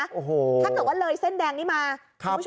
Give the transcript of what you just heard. โอ้โหถ้าเกิดว่าเลยเส้นแดงนี้มาคุณผู้ชม